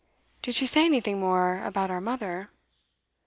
'Did she say anything more about our mother?